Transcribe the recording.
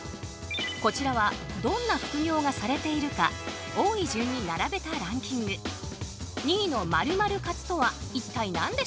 こちらはどんな副業がされているか多い順に並べたランキングえっ何だろう？